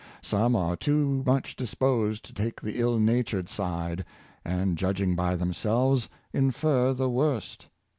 Some are too much disposed to take the ill natured side, and, judging by themselves, infer the worst.